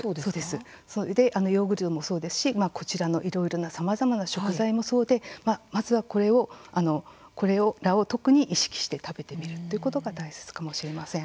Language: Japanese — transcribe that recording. ヨーグルトでもそうですしこちらのいろいろなさまざまな食材もそうで、まずはこれらを特に意識して食べてみるということが大切かもしれません。